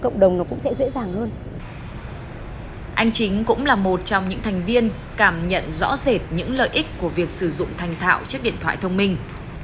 anh chính cũng là một trong những thành viên cảm nhận rõ rệt những lợi ích của việc sử dụng thành thạo chiếc điện thoại thông minh